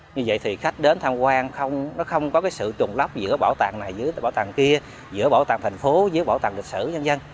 như vậy thì khách đến tham quan nó không có cái sự trùng lóc giữa bảo tàng này giữa bảo tàng kia giữa bảo tàng thành phố giữa bảo tàng lịch sử dân dân